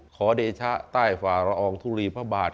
ขอเดชะใต้ฝราองธุรีพระบาท